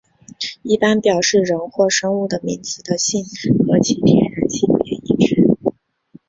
一般表示人或生物的名词的性和其天然性别一致。